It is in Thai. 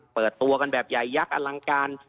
เปิดตัวกันแบบใหญ่ยักษ์อลังการ